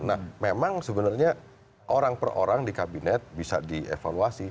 nah memang sebenarnya orang per orang di kabinet bisa dievaluasi